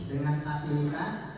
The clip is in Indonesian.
dengan asil ikas